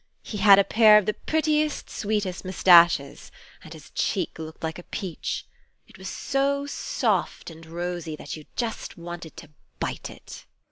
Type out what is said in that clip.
He had a pair of the prettiest, sweetest moustaches, and his cheek looked like a peach it was so soft and rosy that you just wanted to bite it.